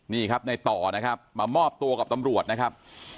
นี่ครับในต่อนะครับมามอบตัวกับตำรวจนะครับ